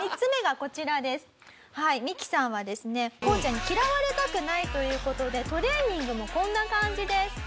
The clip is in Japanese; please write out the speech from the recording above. こうちゃんに嫌われたくないという事でトレーニングもこんな感じです。